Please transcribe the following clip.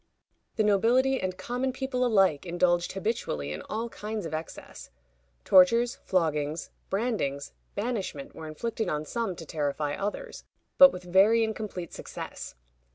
The nobility and common people alike indulged habitually in all kinds of excess. Tortures, floggings, brandings, banishment, were inflicted on some to terrify others, but with very incomplete success.